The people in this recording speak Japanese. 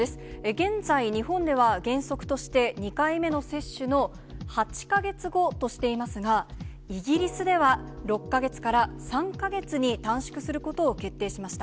現在、日本では原則として２回目の接種の８か月後としていますが、イギリスでは６か月から３か月に短縮することを決定しました。